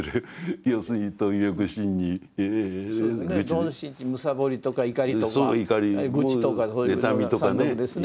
貪・瞋・痴むさぼりとか怒りとか愚痴とかそういうような三毒ですね。